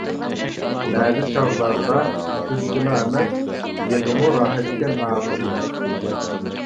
بەزى چاغلاردا كۈلكىلا ئەمەس، يىغىمۇ راھەتكەن ئاغىنىلەر.